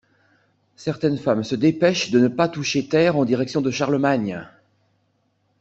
Certaines femmes se dépêchent de ne pas toucher terre en direction de Charlemagne!